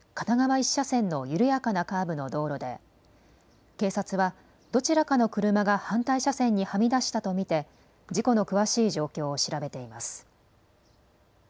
１車線の緩やかなカーブの道路で警察はどちらかの車が反対車線にはみ出したと見て事故の詳しい状況を調べています。